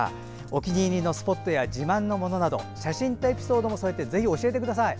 お気に入りのスポットや自慢のものなど写真とエピソードを添えてぜひ教えてください。